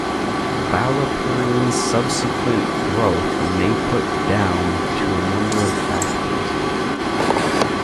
Ballyporeen's subsequent growth may put down to a number of factors.